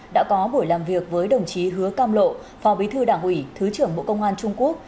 đã có buổi làm việc với đồng chí hứa cam lộ phó bí thư đảng ủy thứ trưởng bộ công an trung quốc